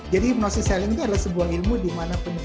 jadi hipnosis selling itu adalah sebuah ilmu di mana